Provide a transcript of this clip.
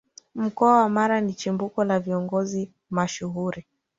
Mkoa wa Mara ni chimbuko la Viongozi mashuhuri